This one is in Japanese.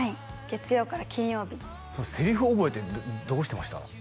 月曜から金曜日セリフ覚えってどうしてました？